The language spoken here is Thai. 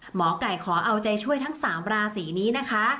หมอไก่ขอเอาใจช่วยทั้ง๓ราศีนี้นะคะ